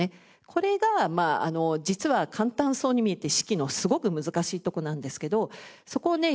これが実は簡単そうに見えて指揮のすごく難しいとこなんですけどそこをね